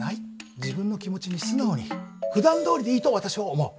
自分の気持ちに素直にふだんどおりでいいと私は思う。